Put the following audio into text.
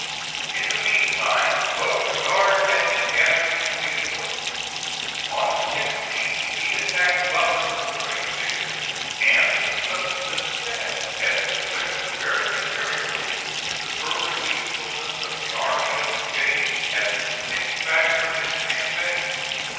In the mean time Beauregard had been gathering reinforcements. On the 16th he attacked Butler with great vigor, and with such success as to limit very materially the further usefulness of the Army of the James as a distinct factor in the campaign.